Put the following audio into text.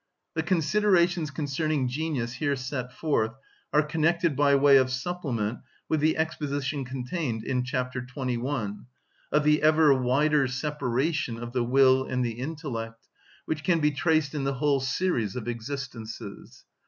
The considerations concerning genius here set forth are connected by way of supplement with the exposition contained in chapter 21, of the ever wider separation of the will and the intellect, which can be traced in the whole series of existences.